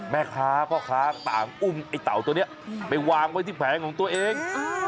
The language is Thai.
แม่ค้าพ่อค้าต่างอุ้มไอ้เต่าตัวนี้ไปวางไว้ที่แผงของตัวเอง